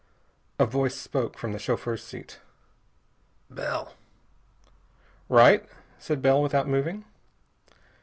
A voice spoke from the chauffeur's seat. "Bell." "Right," said Bell without moving.